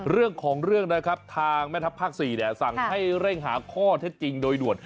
เรื่องของเรื่องนะครับทางแม่ทัพภาค๔สั่งให้เร่งหาข้อเท็จจริงโดยด่วน